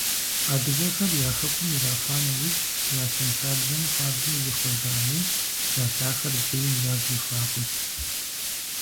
Адыгэхэр я хэкум ирахуа нэужь я щэнхабзэм хуабжьу зихъуэжами, я лъахэр зэи ягу ихуакъым.